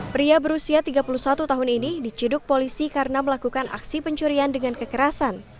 pria berusia tiga puluh satu tahun ini diciduk polisi karena melakukan aksi pencurian dengan kekerasan